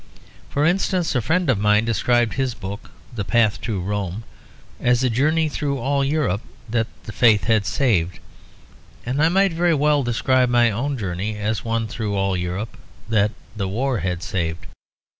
For instance, a friend of mine described his book, The Path to Rome, as a journey through all Europe that the Faith had saved; and I might very well describe my own journey as one through all Europe that the War has saved.